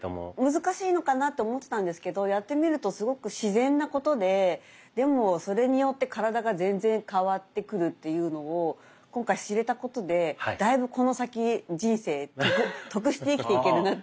難しいのかなと思ってたんですけどやってみるとすごく自然なことででもそれによって体が全然変わってくるというのを今回知れたことでだいぶこの先人生得して生きていけるなというような気持ちになりますね。